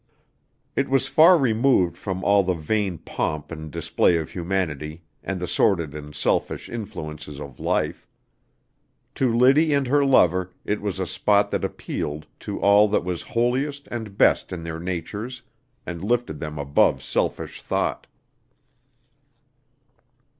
It was far removed from all the vain pomp and display of humanity and the sordid and selfish influences of life. To Liddy and her lover it was a spot that appealed to all that was holiest and best in their natures, and lifted them above selfish thought.